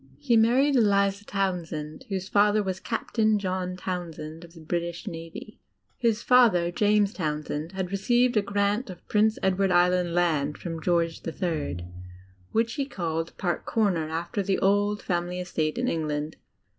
He married Eliza Townsend, whose fa ther was Captain John Townsend of the Bridsh Navy. His father, James Townsend, had received a grant of Prince Edward Island land from George ill, which he called Park Comer, after the old family estate in England.